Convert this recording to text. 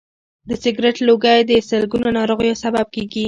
د سګرټ لوګی د سلګونو ناروغیو سبب کېږي.